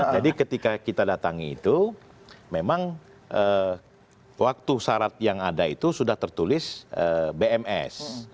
jadi ketika kita datang itu memang waktu syarat yang ada itu sudah tertulis bms